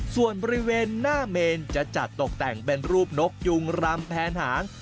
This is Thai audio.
ส่วนบริเวณหน้าเมนจะจัดตกแต่งเป็นรูปนกยุงรำแผนหาง